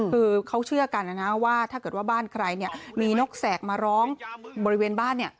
คือเขาเชื่อกันนะว่าถ้าเกิดว่าบ้านใครมีนกแสกมาร้องบริเวณบ้าน